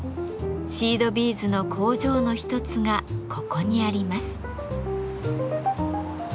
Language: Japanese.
シードビーズの工場の一つがここにあります。